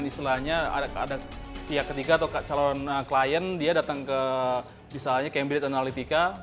dan istilahnya ada pihak ketiga atau calon klien dia datang ke misalnya cambridge analytica